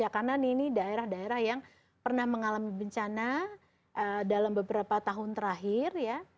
karena ini daerah daerah yang pernah mengalami bencana dalam beberapa tahun terakhir ya